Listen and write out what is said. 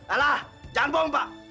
alah jangan bohong pak